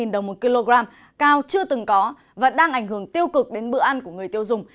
đồng một kg cao chưa từng có và đang ảnh hưởng tiêu cực đến bữa ăn của người tiêu dùng